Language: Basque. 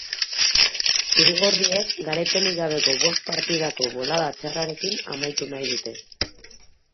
Zuri-gorriek garaipenik gabeko bost partidako bolada txarrarekin amaitu nahi dute.